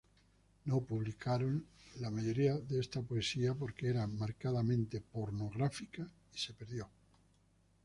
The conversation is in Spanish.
No publicaron a mayoría de esta poesía porque era marcadamente pornográfica, y se perdió.